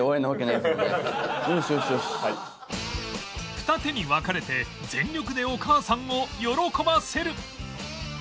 二手に分かれて全力でお母さんを喜ばせる